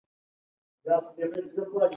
هټيو کې بدخشانی توت او خټکي ډېر پراته وو.